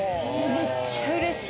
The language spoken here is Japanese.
めっちゃ嬉しい。